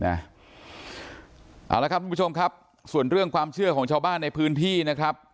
เอาละครับทุกผู้ชมครับส่วนเรื่องความเชื่อของชาวบ้านในพื้นที่นะครับ